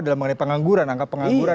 dalam mengenai pengangguran angka pengangguran